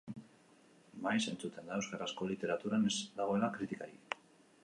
Maiz entzuten da euskarazko literaturan ez dagoela kritikatik.